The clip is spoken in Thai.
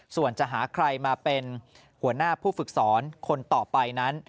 ส่วนจะหาใครมาเป็นหัวหน้าผู้ฝึกสอนคนต่อไปนั้น